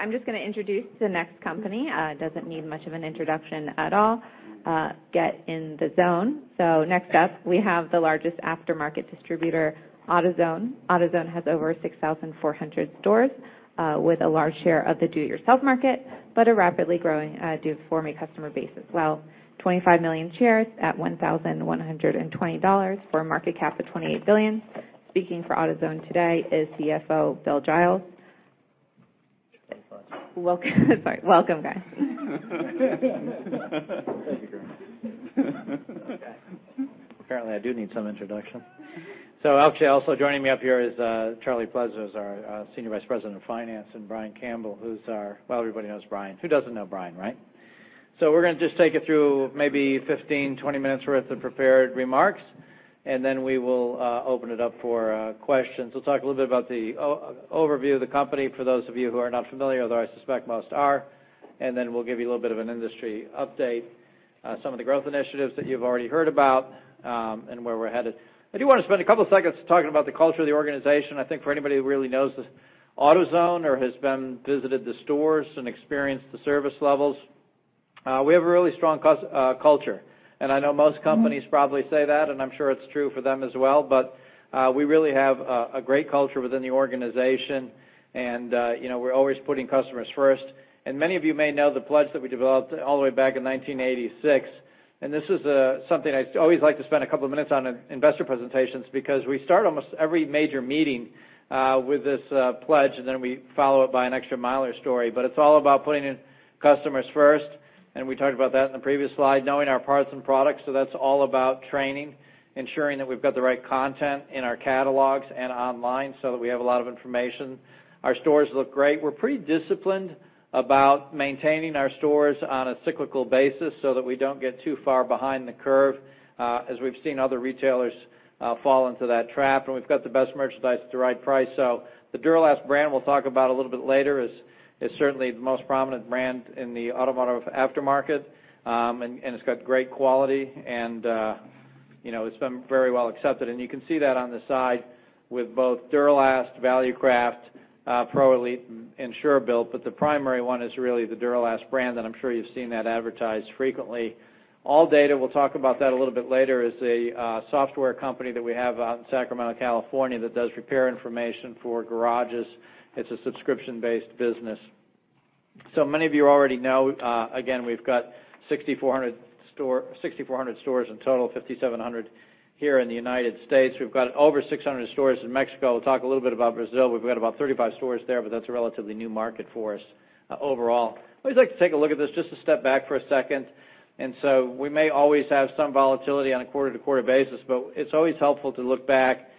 I'm just going to introduce the next company. It doesn't need much of an introduction at all. Get in the zone. Next up, we have the largest aftermarket distributor, AutoZone. AutoZone has over 6,400 stores with a large share of the do-it-yourself market, but a rapidly growing do-it-for-me customer base as well. 25 million shares at $1,120 for a market cap of $28 billion. Speaking for AutoZone today is CFO Bill Giles. Thanks a lot. Welcome. Sorry. Welcome, guys. Thank you very much. Okay. Apparently, I do need some introduction. Also joining me up here is Charles Pless, who's our Senior Vice President of Finance, and Brian Campbell. Well, everybody knows Brian. Who doesn't know Brian, right? We're going to just take you through maybe 15, 20 minutes' worth of prepared remarks, and then we will open it up for questions. We'll talk a little bit about the overview of the company for those of you who are not familiar, although I suspect most are, and then we'll give you a little bit of an industry update. Some of the growth initiatives that you've already heard about and where we're headed. I do want to spend a couple of seconds talking about the culture of the organization. I think for anybody who really knows AutoZone or has visited the stores and experienced the service levels, we have a really strong culture. I know most companies probably say that, and I'm sure it's true for them as well. We really have a great culture within the organization, and we're always putting customers first. Many of you may know the pledge that we developed all the way back in 1986, and this is something I always like to spend a couple of minutes on in investor presentations because we start almost every major meeting with this pledge, and then we follow it by an extra-miler story. It's all about putting customers first, and we talked about that in the previous slide. Knowing our parts and products. That's all about training, ensuring that we've got the right content in our catalogs and online that we have a lot of information. Our stores look great. We're pretty disciplined about maintaining our stores on a cyclical basis that we don't get too far behind the curve, as we've seen other retailers fall into that trap. We've got the best merchandise at the right price. The Duralast brand we'll talk about a little bit later is certainly the most prominent brand in the automotive aftermarket, and it's got great quality, and it's been very well accepted. You can see that on the side with both Duralast, Valucraft, ProElite, and SureBilt, but the primary one is really the Duralast brand, and I'm sure you've seen that advertised frequently. ALLDATA, we'll talk about that a little bit later, is a software company that we have out in Sacramento, California, that does repair information for garages. It's a subscription-based business. Many of you already know, again, we've got 6,400 stores in total, 5,700 here in the U.S. We've got over 600 stores in Mexico. We'll talk a little bit about Brazil. We've got about 35 stores there, but that's a relatively new market for us overall. I always like to take a look at this just to step back for a second. We may always have some volatility on a quarter-to-quarter basis, but it's always helpful to look back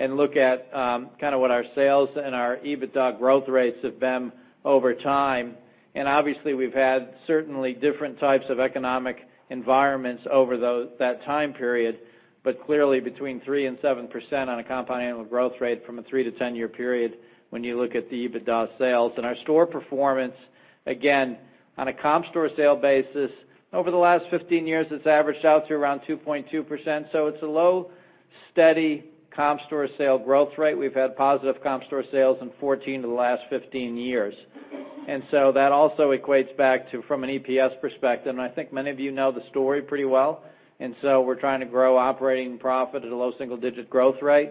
and look at what our sales and our EBITDA growth rates have been over time. Obviously, we've had certainly different types of economic environments over that time period, but clearly between 3% and 7% on a compound annual growth rate from a 3- to 10-year period when you look at the EBITDA sales. Our store performance, again, on a comp store sale basis over the last 15 years, it's averaged out to around 2.2%. It's a low, steady comp store sale growth rate. We've had positive comp store sales in 14 of the last 15 years. That also equates back to from an EPS perspective, and I think many of you know the story pretty well. We're trying to grow operating profit at a low single-digit growth rate,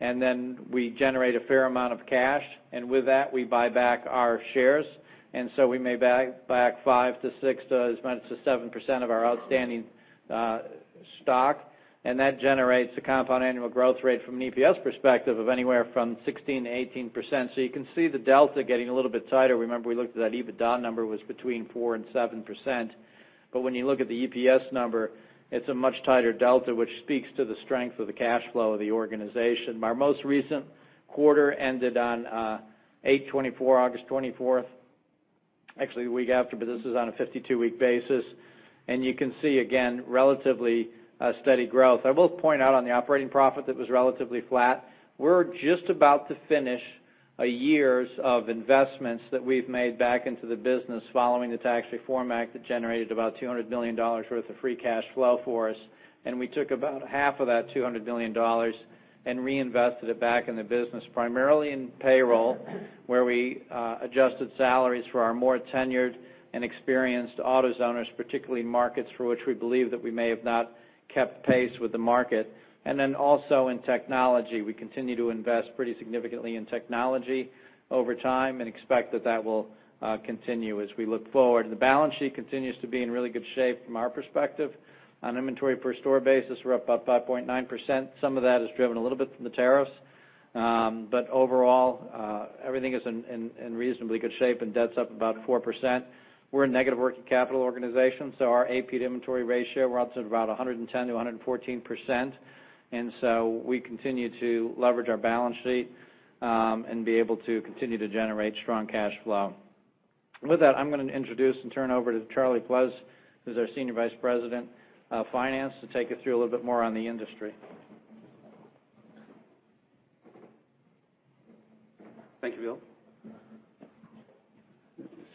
and then we generate a fair amount of cash. With that, we buy back our shares, we may buy back 5%-6% to as much as 7% of our outstanding stock. That generates a compound annual growth rate from an EPS perspective of anywhere from 16%-18%. You can see the delta getting a little bit tighter. Remember, we looked at that EBITDA number was between 4% and 7%. When you look at the EPS number, it's a much tighter delta, which speaks to the strength of the cash flow of the organization. Our most recent quarter ended on 8/24, August 24th, actually the week after, but this is on a 52-week basis. You can see, again, relatively steady growth. I will point out on the operating profit that was relatively flat. We're just about to finish a years of investments that we've made back into the business following the Tax Reform Act that generated about $200 million worth of free cash flow for us. We took about half of that $200 million and reinvested it back in the business, primarily in payroll, where we adjusted salaries for our more tenured and experienced AutoZoners, particularly markets for which we believe that we may have not kept pace with the market. Then also in technology. We continue to invest pretty significantly in technology over time and expect that that will continue as we look forward. The balance sheet continues to be in really good shape from our perspective. On an inventory per store basis, we're up about 5.9%. Some of that is driven a little bit from the tariffs. Overall, everything is in reasonably good shape, and debt's up about 4%. We're a negative working capital organization, so our AP to inventory ratio, we're up to about 110% to 114%. We continue to leverage our balance sheet and be able to continue to generate strong cash flow. With that, I'm going to introduce and turn over to Charles Pless, who's our Senior Vice President of Finance, to take us through a little bit more on the industry. Thank you, Bill.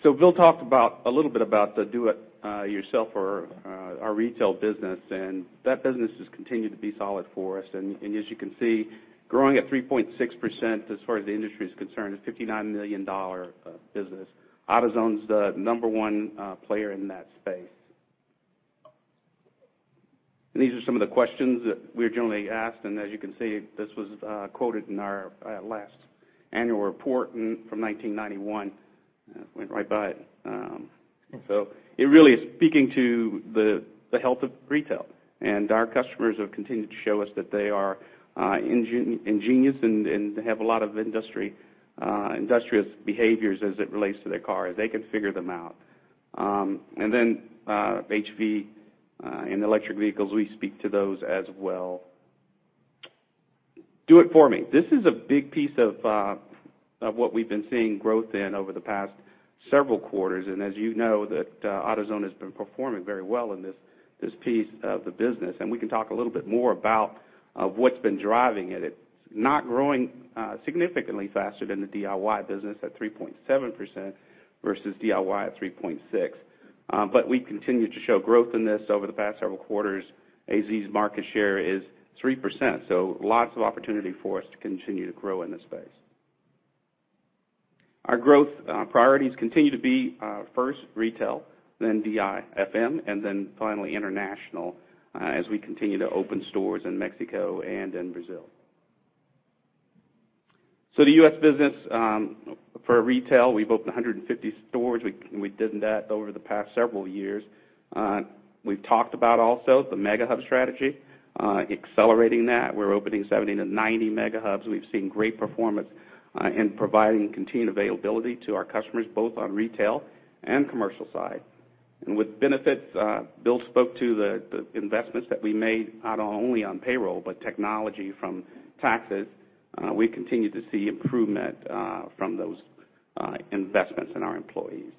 Bill talked a little bit about the Do It Yourself or our retail business, and that business has continued to be solid for us. As you can see, growing at 3.6% as far as the industry is concerned, is a $59 billion business. AutoZone's the number one player in that space. These are some of the questions that we're generally asked, and as you can see, this was quoted in our last annual report from 1991. Went right by it. It really is speaking to the health of retail, and our customers have continued to show us that they are ingenious and have a lot of industrious behaviors as it relates to their car, as they can figure them out. HEV and electric vehicles, we speak to those as well. Do It For Me. This is a big piece of what we've been seeing growth in over the past several quarters. As you know that AutoZone has been performing very well in this piece of the business, we can talk a little bit more about what's been driving it. It's not growing significantly faster than the DIY business at 3.7% versus DIY at 3.6%. We continue to show growth in this over the past several quarters. AutoZone market share is 3%, lots of opportunity for us to continue to grow in this space. Our growth priorities continue to be first retail, then DIFM, and then finally international, as we continue to open stores in Mexico and in Brazil. The U.S. business, for retail, we've opened 150 stores. We did that over the past several years. We've talked about also the Mega Hub strategy, accelerating that. We're opening 70 to 90 Mega Hubs. We've seen great performance in providing continued availability to our customers, both on retail and commercial side. With benefits, Bill spoke to the investments that we made, not only on payroll, but technology from taxes. We continue to see improvement from those investments in our employees.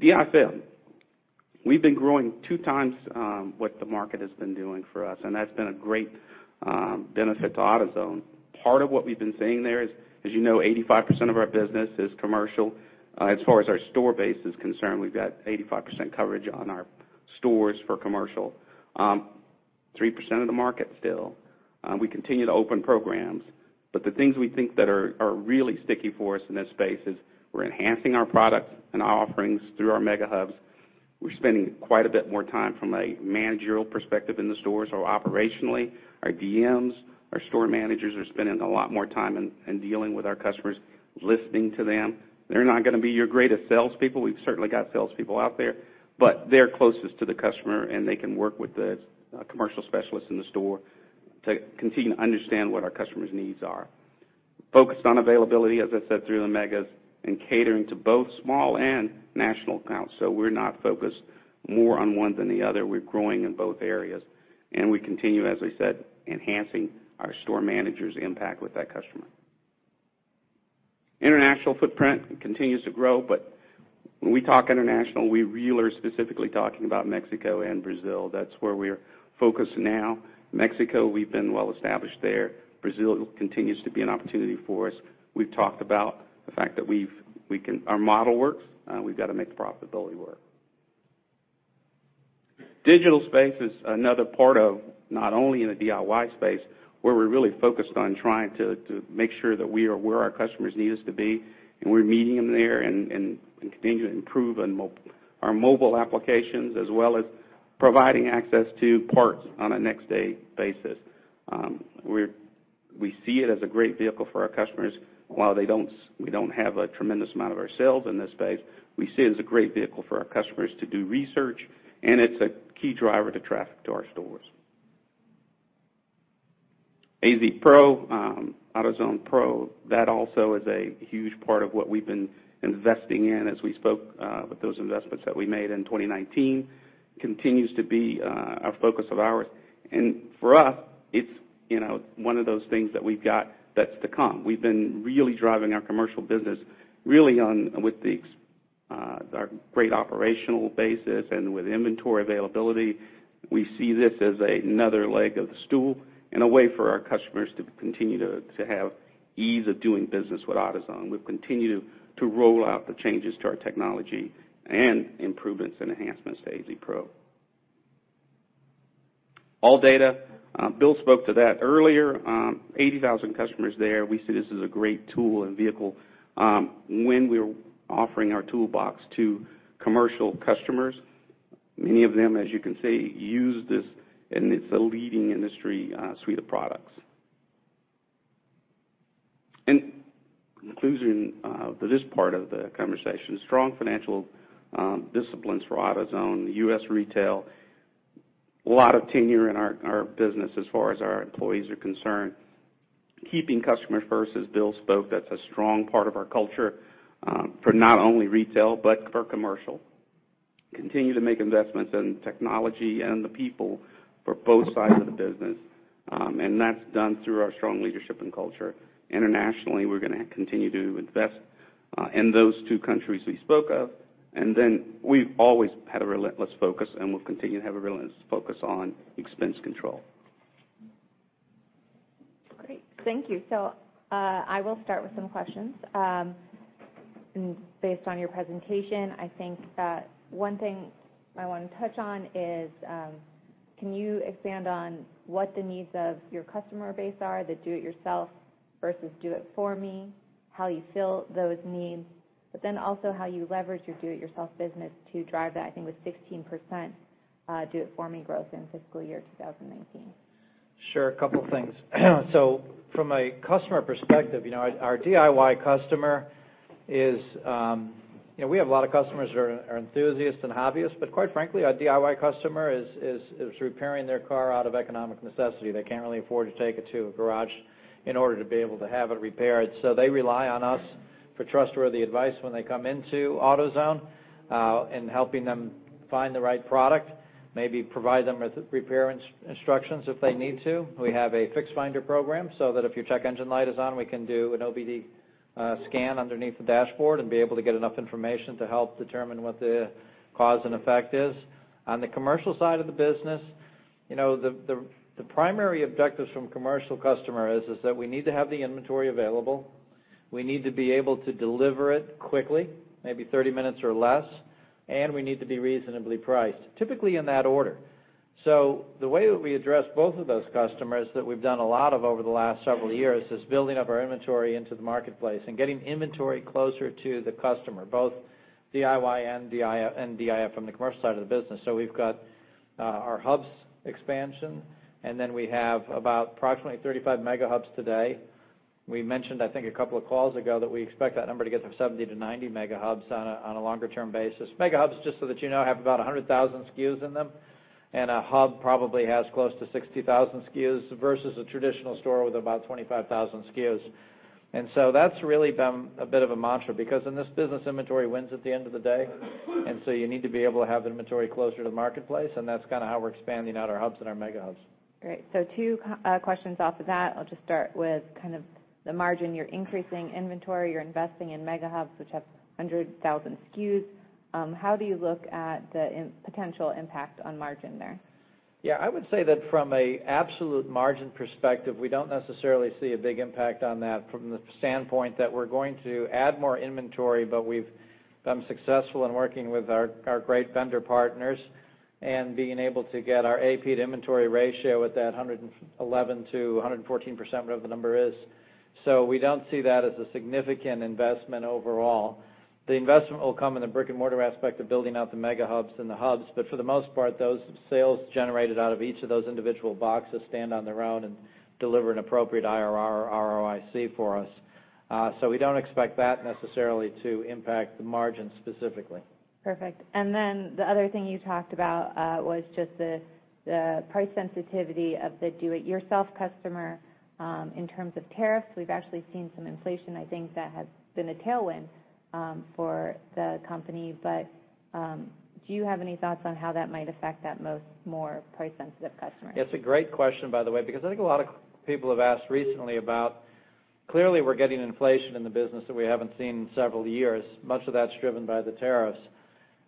DIFM. We've been growing two times what the market has been doing for us, and that's been a great benefit to AutoZone. Part of what we've been seeing there is, as you know, 85% of our business is commercial. As far as our store base is concerned, we've got 85% coverage on our stores for commercial. 3% of the market still. We continue to open programs, the things we think that are really sticky for us in this space is we're enhancing our products and offerings through our Mega Hubs. We're spending quite a bit more time from a managerial perspective in the stores, so operationally, our DMs, our store managers are spending a lot more time in dealing with our customers, listening to them. They're not gonna be your greatest salespeople. We've certainly got salespeople out there, but they're closest to the customer, and they can work with the commercial specialists in the store to continue to understand what our customers' needs are. We're focused on availability, as I said, through the Megas, and catering to both small and national accounts. We're not focused more on one than the other. We're growing in both areas, and we continue, as I said, enhancing our store managers' impact with that customer. International footprint continues to grow, when we talk international, we really are specifically talking about Mexico and Brazil. That's where we're focused now. Mexico, we've been well established there. Brazil continues to be an opportunity for us. We've talked about the fact that our model works. We've got to make the profitability work. Digital space is another part of not only in the DIY space, where we're really focused on trying to make sure that we are where our customers need us to be, and we're meeting them there and continue to improve our mobile applications, as well as providing access to parts on a next-day basis. We see it as a great vehicle for our customers. While we don't have a tremendous amount of our sales in this space, we see it as a great vehicle for our customers to do research, and it's a key driver to traffic to our stores. AutoZone Pro, that also is a huge part of what we've been investing in as we spoke about those investments that we made in 2019. Continues to be a focus of ours, for us, it's one of those things that we've got that's to come. We've been really driving our commercial business really with our great operational basis and with inventory availability. We see this as another leg of the stool and a way for our customers to continue to have ease of doing business with AutoZone. We've continued to roll out the changes to our technology and improvements and enhancements to AutoZone Pro. ALLDATA. Bill spoke to that earlier. 80,000 customers there. We see this as a great tool and vehicle when we're offering our toolbox to commercial customers. Many of them, as you can see, use this, and it's a leading industry suite of products. In conclusion for this part of the conversation, strong financial disciplines for AutoZone. U.S. retail, a lot of tenure in our business as far as our employees are concerned. Keeping customers first, as Bill spoke, that's a strong part of our culture for not only retail but for commercial. Continue to make investments in technology and the people for both sides of the business, and that's done through our strong leadership and culture. Internationally, we're gonna continue to invest in those two countries we spoke of. We've always had a relentless focus, and we'll continue to have a relentless focus on expense control. Great. Thank you. I will start with some questions. Based on your presentation, I think one thing I want to touch on is, can you expand on what the needs of your customer base are, the do it yourself versus do it for me, how you fill those needs, but then also how you leverage your do it yourself business to drive that, I think with 16% do it for me growth in fiscal year 2019? Sure. A couple things. From a customer perspective, we have a lot of customers who are enthusiasts and hobbyists, but quite frankly, our DIY customer is repairing their car out of economic necessity. They can't really afford to take it to a garage in order to be able to have it repaired. They rely on us for trustworthy advice when they come into AutoZone, and helping them find the right product, maybe provide them with repair instructions if they need to. We have a Fix Finder program so that if your check engine light is on, we can do an OBD scan underneath the dashboard and be able to get enough information to help determine what the cause and effect is. On the commercial side of the business, the primary objectives from commercial customer is that we need to have the inventory available. We need to be able to deliver it quickly, maybe 30 minutes or less. We need to be reasonably priced, typically in that order. The way that we address both of those customers, that we've done a lot of over the last several years, is building up our inventory into the marketplace and getting inventory closer to the customer, both DIY and DIFM, the commercial side of the business. We've got our hubs expansion, and then we have about approximately 35 Mega Hubs today. We mentioned, I think a couple of calls ago, that we expect that number to get from 70 to 90 Mega Hubs on a longer term basis. Mega Hubs, just so that you know, have about 100,000 SKUs in them, and a hub probably has close to 60,000 SKUs versus a traditional store with about 25,000 SKUs. That's really been a bit of a mantra, because in this business, inventory wins at the end of the day. You need to be able to have the inventory closer to the marketplace, and that's kind of how we're expanding out our hubs and our Mega Hubs. Great. Two questions off of that. I'll just start with the margin. You're increasing inventory. You're investing in Mega Hubs, which have 100,000 SKUs. How do you look at the potential impact on margin there? Yeah, I would say that from a absolute margin perspective, we don't necessarily see a big impact on that from the standpoint that we're going to add more inventory, but we've been successful in working with our great vendor partners and being able to get our AP to inventory ratio at that 111%-114%, whatever the number is. We don't see that as a significant investment overall. The investment will come in the brick and mortar aspect of building out the Mega Hubs and the hubs. For the most part, those sales generated out of each of those individual boxes stand on their own and deliver an appropriate IRR or ROIC for us. We don't expect that necessarily to impact the margin specifically. Perfect. The other thing you talked about was just the price sensitivity of the do it yourself customer. In terms of tariffs, we've actually seen some inflation, I think, that has been a tailwind for the company. Do you have any thoughts on how that might affect that more price-sensitive customer? It's a great question, by the way, because I think a lot of people have asked recently about, clearly we're getting inflation in the business that we haven't seen in several years. Much of that's driven by the tariffs.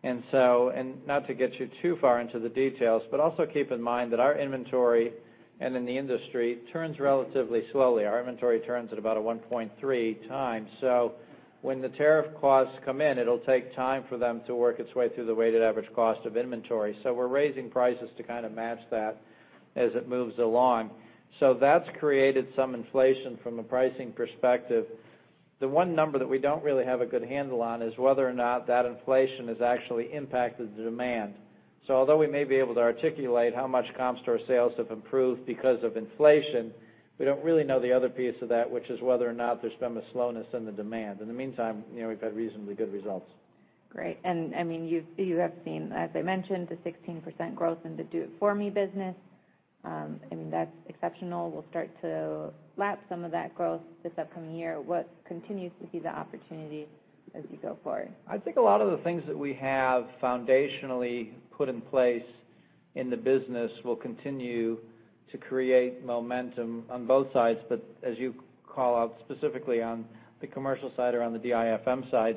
Not to get you too far into the details, but also keep in mind that our inventory and in the industry turns relatively slowly. Our inventory turns at about a 1.3 times. When the tariff costs come in, it'll take time for them to work its way through the weighted average cost of inventory. We're raising prices to kind of match that as it moves along. That's created some inflation from a pricing perspective. The one number that we don't really have a good handle on is whether or not that inflation has actually impacted the demand. Although we may be able to articulate how much comp store sales have improved because of inflation, we don't really know the other piece of that, which is whether or not there's been a slowness in the demand. In the meantime, we've had reasonably good results. Great. You have seen, as I mentioned, the 16% growth in the do it for me business. That's exceptional. We'll start to lap some of that growth this upcoming year. What continues to be the opportunity as you go forward? I think a lot of the things that we have foundationally put in place in the business will continue to create momentum on both sides, but as you call out specifically on the commercial side or on the DIFM side,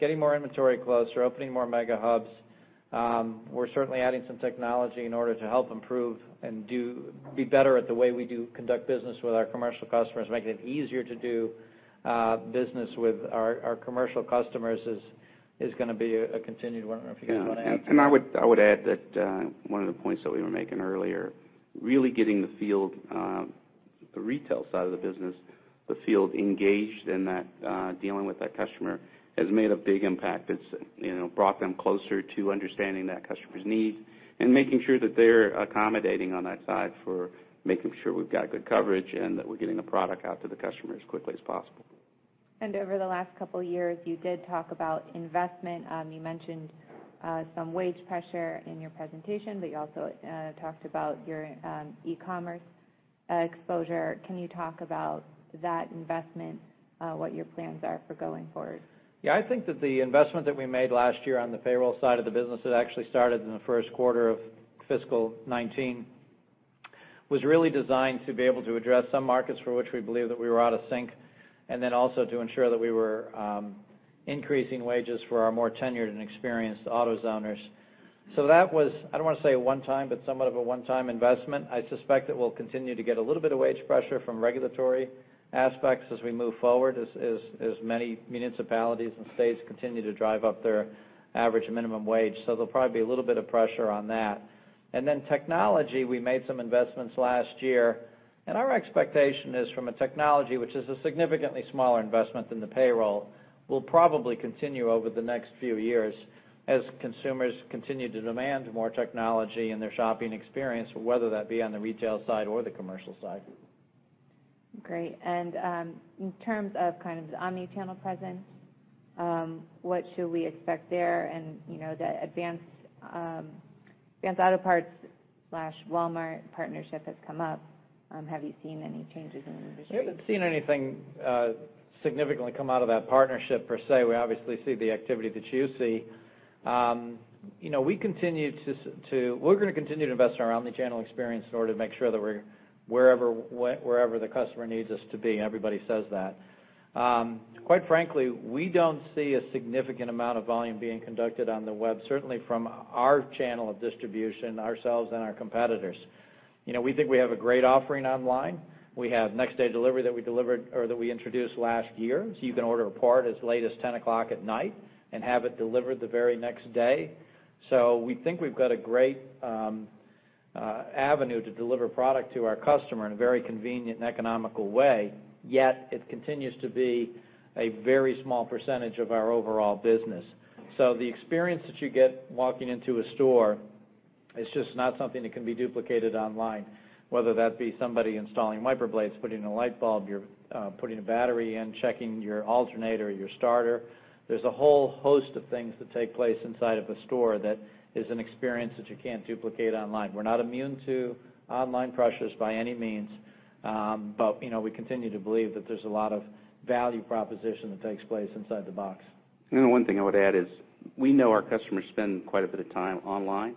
getting more inventory closer, opening more Mega Hubs. We're certainly adding some technology in order to help improve and be better at the way we conduct business with our commercial customers, making it easier to do business with our commercial customers is going to be a continued one. I don't know if you want to add to that. I would add that one of the points that we were making earlier, really getting the field, the retail side of the business, the field engaged in that dealing with that customer has made a big impact. It's brought them closer to understanding that customer's needs and making sure that they're accommodating on that side for making sure we've got good coverage and that we're getting the product out to the customer as quickly as possible. Over the last couple of years, you did talk about investment. You mentioned some wage pressure in your presentation, but you also talked about your e-commerce exposure. Can you talk about that investment, what your plans are for going forward? Yeah, I think that the investment that we made last year on the payroll side of the business that actually started in the first quarter of fiscal 2019 was really designed to be able to address some markets for which we believe that we were out of sync, and then also to ensure that we were increasing wages for our more tenured and experienced AutoZoners. That was, I don't want to say a one-time, but somewhat of a one-time investment. I suspect that we'll continue to get a little bit of wage pressure from regulatory aspects as we move forward, as many municipalities and states continue to drive up their average minimum wage. There'll probably be a little bit of pressure on that. Technology, we made some investments last year, and our expectation is from a technology, which is a significantly smaller investment than the payroll, will probably continue over the next few years as consumers continue to demand more technology in their shopping experience, whether that be on the retail side or the commercial side. Great. In terms of the omni-channel presence, what should we expect there? The Advance Auto Parts/Walmart partnership has come up. Have you seen any changes in the division? We haven't seen anything significantly come out of that partnership per se. We obviously see the activity that you see. We're going to continue to invest in our omni-channel experience in order to make sure that we're wherever the customer needs us to be, and everybody says that. Quite frankly, we don't see a significant amount of volume being conducted on the web, certainly from our channel of distribution, ourselves, and our competitors. We think we have a great offering online. We have next-day delivery that we introduced last year. You can order a part as late as 10 o'clock at night and have it delivered the very next day. We think we've got a great avenue to deliver product to our customer in a very convenient and economical way, yet it continues to be a very small percentage of our overall business. The experience that you get walking into a store is just not something that can be duplicated online, whether that be somebody installing wiper blades, putting in a light bulb, you're putting a battery in, checking your alternator, your starter. There's a whole host of things that take place inside of a store that is an experience that you can't duplicate online. We're not immune to online pressures by any means, but we continue to believe that there's a lot of value proposition that takes place inside the box. The one thing I would add is we know our customers spend quite a bit of time online,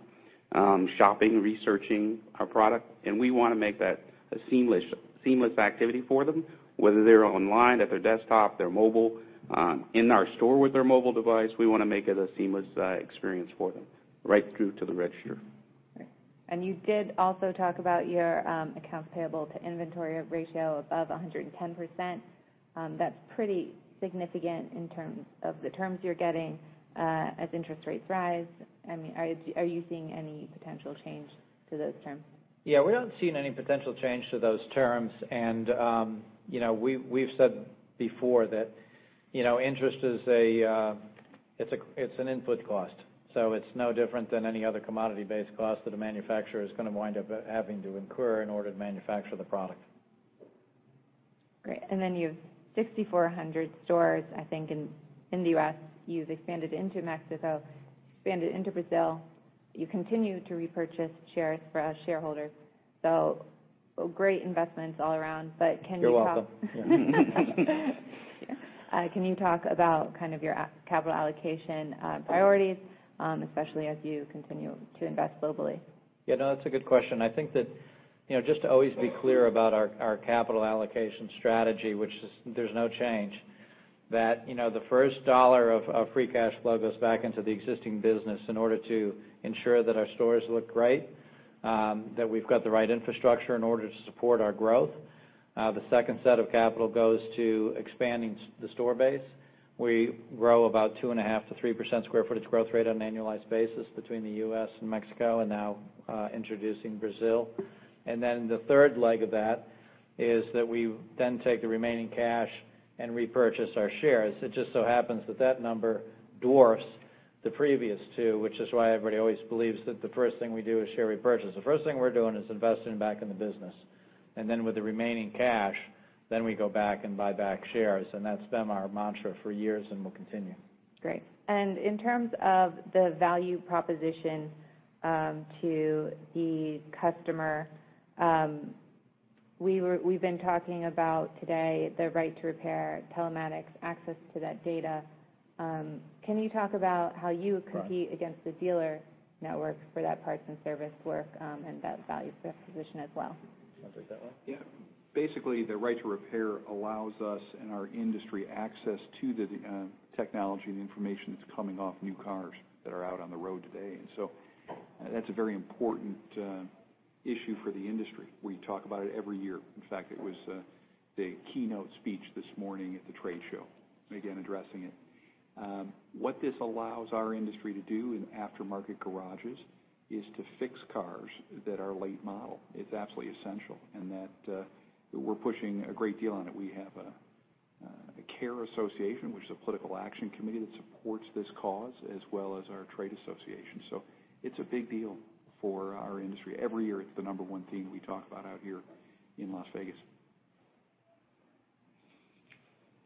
shopping, researching our product, and we want to make that a seamless activity for them. Whether they're online, at their desktop, their mobile, in our store with their mobile device, we want to make it a seamless experience for them right through to the register. Okay. You did also talk about your accounts payable to inventory ratio above 110%. That's pretty significant in terms of the terms you're getting as interest rates rise. Are you seeing any potential change to those terms? Yeah, we haven't seen any potential change to those terms, and we've said before that interest is an input cost. It's no different than any other commodity-based cost that a manufacturer is going to wind up having to incur in order to manufacture the product. Great. You have 6,400 stores, I think, in the U.S. You've expanded into Mexico, expanded into Brazil. You continue to repurchase shares for us shareholders. Great investments all around. You're welcome. Can you talk about your capital allocation priorities, especially as you continue to invest globally? Yeah, no, that's a good question. I think that just to always be clear about our capital allocation strategy, which there's no change, that the first dollar of free cash flow goes back into the existing business in order to ensure that our stores look great, that we've got the right infrastructure in order to support our growth. The second set of capital goes to expanding the store base. We grow about 2.5% to 3% square footage growth rate on an annualized basis between the U.S. and Mexico, and now introducing Brazil. The third leg of that is that we then take the remaining cash and repurchase our shares. It just so happens that that number dwarfs the previous two, which is why everybody always believes that the first thing we do is share repurchase. The first thing we're doing is investing back in the business, and then with the remaining cash, then we go back and buy back shares, and that's been our mantra for years and will continue. Great. In terms of the value proposition to the customer, we've been talking about today the Right to Repair telematics access to that data. Can you talk about how you compete? Right against the dealer network for that parts and service work, and that value proposition as well? You want to take that one? Basically, the Right to Repair allows us and our industry access to the technology and information that's coming off new cars that are out on the road today. That's a very important issue for the industry. We talk about it every year. It was the keynote speech this morning at the trade show, again addressing it. What this allows our industry to do in aftermarket garages is to fix cars that are late model. It's absolutely essential, and that we're pushing a great deal on it. We have an Auto Care Association, which is a political action committee that supports this cause, as well as our trade association. It's a big deal for our industry. Every year, it's the number one thing we talk about out here in Las Vegas.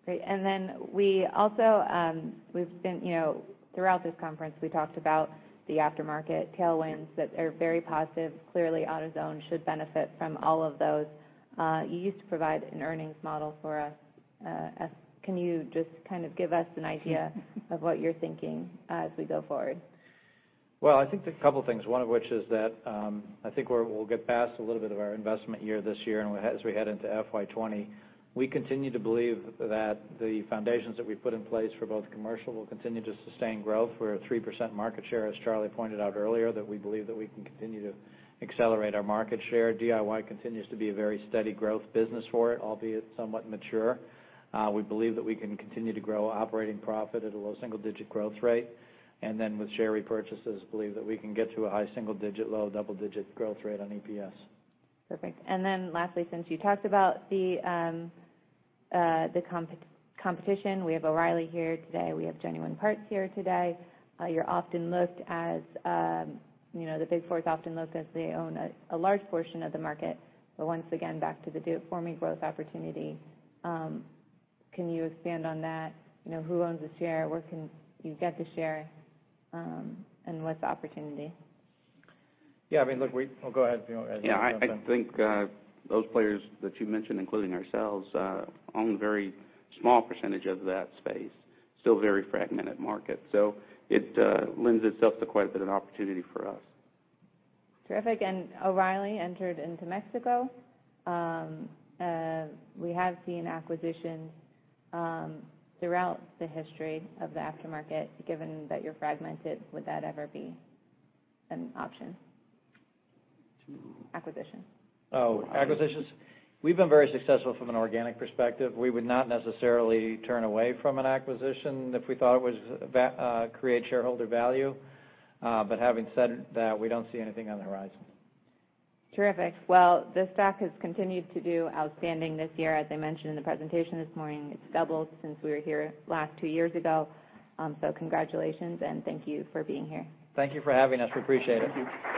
Great. We also, throughout this conference, we talked about the aftermarket tailwinds that are very positive. Clearly, AutoZone should benefit from all of those. You used to provide an earnings model for us. Can you just give us an idea of what you're thinking as we go forward? I think there's a couple things. One of which is that, I think we'll get past a little bit of our investment year this year and as we head into FY '20, we continue to believe that the foundations that we've put in place for both commercial will continue to sustain growth. We're at 3% market share, as Charlie pointed out earlier, that we believe that we can continue to accelerate our market share. DIY continues to be a very steady growth business for it, albeit somewhat mature. We believe that we can continue to grow operating profit at a low single-digit growth rate, and then with share repurchases, believe that we can get to a high single-digit, low double-digit growth rate on EPS. Perfect. Lastly, since you talked about the competition, we have O'Reilly here today, we have Genuine Parts here today. The Big Four is often looked as they own a large portion of the market. Once again, back to the do-it-for-me growth opportunity, can you expand on that? Who owns the share? Where can you get the share? What's the opportunity? Yeah, I mean, look, Oh, go ahead. Yeah, I think, those players that you mentioned, including ourselves, own a very small % of that space, still very fragmented market. It lends itself to quite a bit of opportunity for us. Terrific. O'Reilly entered into Mexico. We have seen acquisitions throughout the history of the aftermarket. Given that you're fragmented, would that ever be an option? To? Acquisition. Oh, acquisitions. We've been very successful from an organic perspective. We would not necessarily turn away from an acquisition if we thought it would create shareholder value. Having said that, we don't see anything on the horizon. Terrific. Well, the stock has continued to do outstanding this year. As I mentioned in the presentation this morning, it's doubled since we were here last two years ago. Congratulations, and thank you for being here. Thank you for having us. We appreciate it. Thank you.